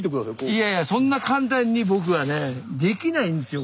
いやいやそんな簡単に僕はねできないんですよ